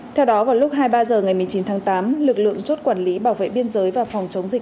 theo đó vào lúc hai mươi ba h ngày một mươi chín tháng tám lực lượng chốt quản lý bảo vệ biên giới và phòng chống dịch